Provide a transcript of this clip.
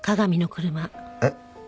えっ？